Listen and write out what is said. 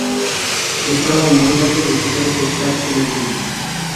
এছাড়াও মহিলাদের অধিকারে সোচ্চার ছিলেন তিনি।